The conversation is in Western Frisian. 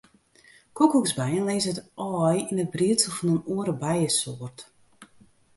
Koekoeksbijen lizze it aai yn it briedsel fan in oare bijesoart.